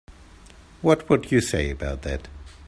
What would you say about that?